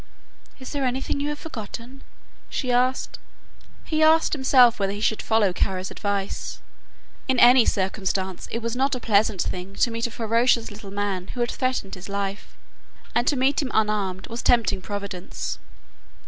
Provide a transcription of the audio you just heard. "Is there anything you have forgotten?" she asked. He asked himself whether he should follow Kara's advice. In any circumstance it was not a pleasant thing to meet a ferocious little man who had threatened his life, and to meet him unarmed was tempting Providence.